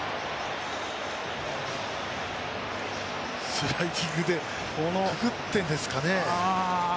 スライディングでくぐっているんですかね。